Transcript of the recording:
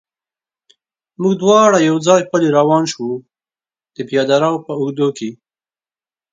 موږ دواړه یو ځای پلی روان شو، د پیاده رو په اوږدو کې.